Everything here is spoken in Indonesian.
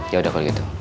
ya udah kalau gitu